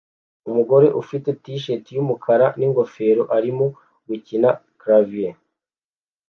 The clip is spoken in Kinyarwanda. Umugore ufite t-shati yumukara ningofero arimo gukina clavier